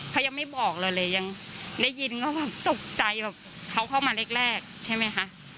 เขายังไม่บอกเราเลยยังได้ยินก็แบบตกใจแบบเขาเข้ามาแรกใช่ไหมคะ